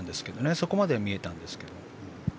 そこまでは見えたんですけど。